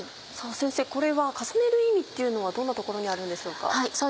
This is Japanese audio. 先生これは重ねる意味っていうのはどんなところにあるんでしょうか？